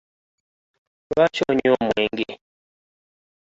Lwaki onywa omwenge?